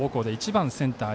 １番センター